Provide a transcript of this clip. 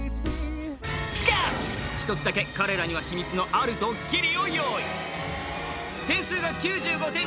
しかし１つだけ彼らには秘密のあるドッキリを用意！